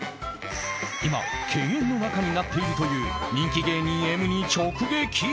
今、犬猿の仲になっているという人気芸人Ｍに直撃。